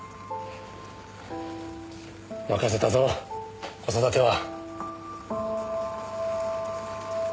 任せたぞ子育ては。